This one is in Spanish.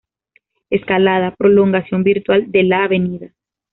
Escalada, prolongación virtual de la Av.